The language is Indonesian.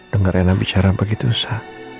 dengar rena bicara begitu sa